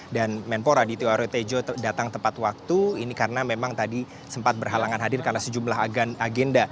dan menpora ditiwari tejo datang tepat waktu ini karena memang tadi sempat berhalangan hadir karena sejumlah agenda